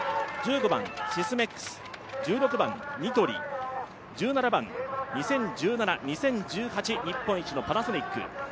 １５番、シスメックス、１６番、ニトリ、１７番、２０１７、２０１８、日本一のパナソニック。